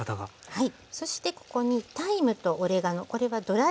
はい。